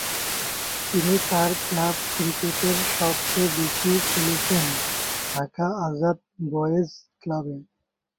তিনি তার ক্লাব ক্রিকেটের সবচেয়ে বেশি খেলেছেন ঢাকা আজাদ বয়েজ ক্লাবে।